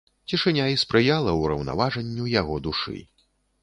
Цішыня і спрыяла ўраўнаважанню яго душы.